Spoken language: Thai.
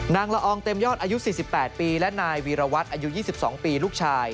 ละอองเต็มยอดอายุ๔๘ปีและนายวีรวัตรอายุ๒๒ปีลูกชาย